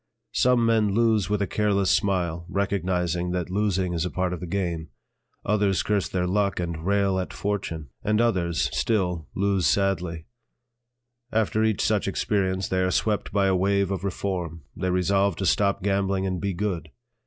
Some men lose with a careless smile, recognizing that losing is a part of the game; others curse their luck and rail at fortune; and others, still, lose sadly; after each such experience they are swept by a wave of reform; they resolve to stop gambling and be good.